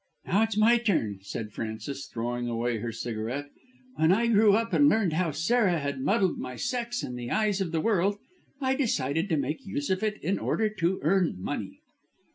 "Now it's my turn," said Frances, throwing away her cigarette. "When I grew up and learned how Sarah had muddled my sex in the eyes of the world I decided to make use of it in order to earn money."